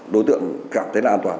đối tượng cảm thấy an toàn